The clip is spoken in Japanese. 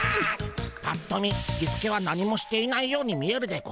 ぱっと見キスケは何もしていないように見えるでゴンスが。